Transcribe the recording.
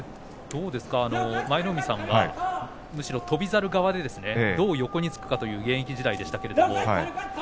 どうですか舞の海さんはむしろ翔猿側でどう横につくかという現役時代でした。